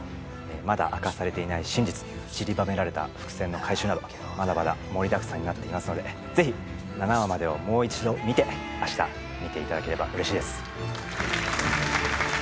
まだ明かされていない真実ちりばめられた伏線の回収などまだまだ盛りだくさんになっていますのでぜひ７話までをもう一度見て明日見ていただければ嬉しいです